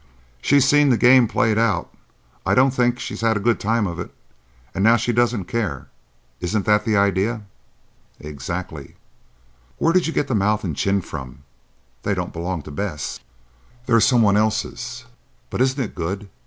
"She's seen the game played out,—I don't think she had a good time of it,—and now she doesn't care. Isn't that the idea?" "Exactly." "Where did you get the mouth and chin from? They don't belong to Bess." "They're—some one else's. But isn't it good?